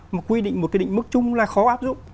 mà quy định một cái định mức chung là khó áp dụng